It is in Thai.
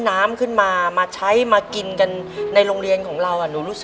ในแคมเปญพิเศษเกมต่อชีวิตโรงเรียนของหนู